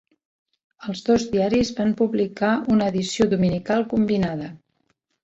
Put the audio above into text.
Els dos diaris van publicar una edició dominical combinada.